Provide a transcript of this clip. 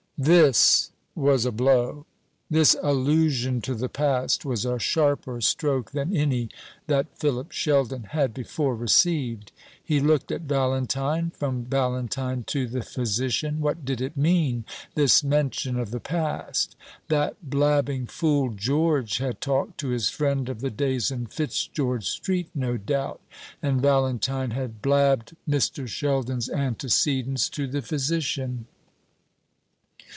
This was a blow. This allusion to the past was a sharper stroke than any that Philip Sheldon had before received. He looked at Valentine; from Valentine to the physician. What did it mean, this mention of the past? That blabbing fool George had talked to his friend of the days in Fitzgeorge Street, no doubt; and Valentine had blabbed Mr. Sheldon's antecedents to the physician.